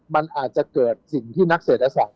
มันอาจจะเกิดสิ่งที่นักเศรษฐศาสต